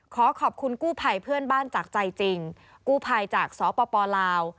ขอขอบคุณกู้ภัยเพื่อนบ้านจากใจจริงกู้ภัยจากสปลาว